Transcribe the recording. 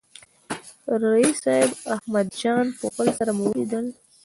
د رییس صاحب احمد جان پوپل سره مو ولیدل.